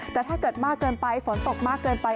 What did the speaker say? แต่ถ้าเกิดมากเกินไปฝนตกมากเกินไป